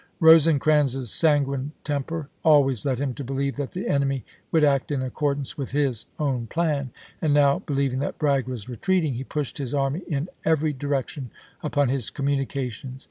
Rosecrans's sanguine temper always led him to believe that the enemy would act in accordance with his own plan ; and now, be lieving that Bragg was retreating, he pushed his army in every direction upon his communications.